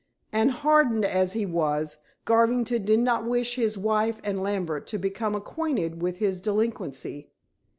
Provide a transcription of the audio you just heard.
And, hardened as he was, Garvington did not wish his wife and Lambert to become acquainted with his delinquency.